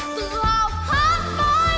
tự hào hát mới